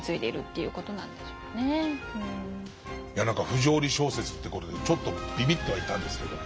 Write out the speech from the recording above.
不条理小説という事でちょっとビビってはいたんですけど